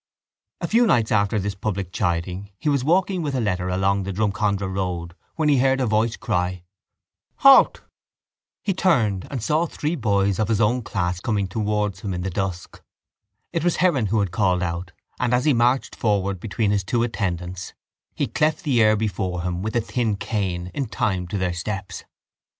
A few nights after this public chiding he was walking with a letter along the Drumcondra Road when he heard a voice cry: —Halt! He turned and saw three boys of his own class coming towards him in the dusk. It was Heron who had called out and, as he marched forward between his two attendants, he cleft the air before him with a thin cane, in time to their steps.